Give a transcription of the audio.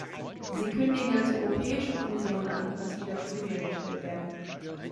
Sie kündigen als Europäische Kommission an, dass wieder Studien erstellt werden.